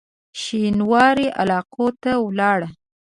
شینوارو علاقو ته ولاړ.